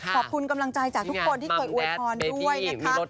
ขอบคุณกำลังใจจากทุกคนที่เคยอวยพรด้วยนะคะ